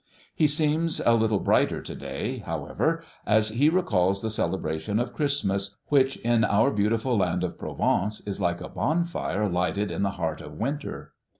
He seems a little brighter to day, however, as he recalls the celebration of Christmas, which in our beautiful land of Provence is like a bonfire lighted in the heart of winter.